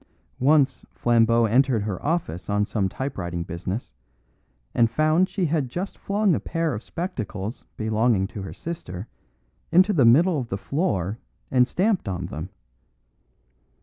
Once Flambeau entered her office on some typewriting business, and found she had just flung a pair of spectacles belonging to her sister into the middle of the floor and stamped on them.